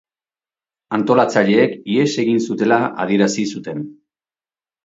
Antolatzaileek ihes egin zutela adierazi zuten.